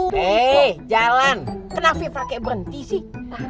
hei jalan kenapa fikra kayak berhenti sih